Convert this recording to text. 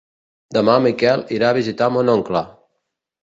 Demà en Miquel irà a visitar mon oncle.